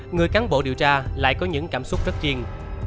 người cán bộ điều tra lại có những cảm xúc rất chiên